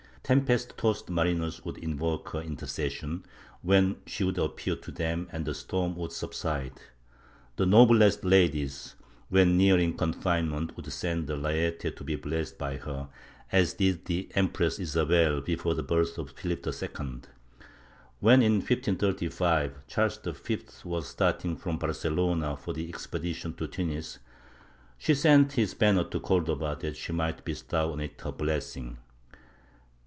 Tempest tossed mariners would invoke her intercession, when she would appear to them and the storm would subside. The noblest ladies, when nearing confinement, would send the layette to be blessed by her, as did the Empress Isabel before the birth of Phihp II. When, in 1535, Charles V was starting from Barcelona for the expedition to Tunis, he sent his banner to Cordova that she might bestow on it her blessing.